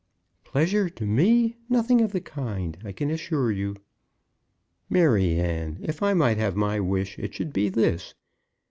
"Pleasure to me! Nothing of the kind, I can assure you." "Maryanne, if I might have my wish, it should be this.